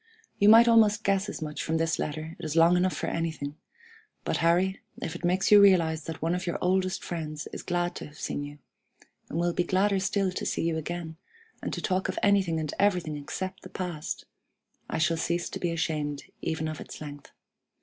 You might almost guess as much from this letter; it is long enough for anything; but, Harry, if it makes you realize that one of your oldest friends is glad to have seen you, and will be gladder still to see you again, and to talk of anything and everything except the past, I shall cease to be ashamed even of its length!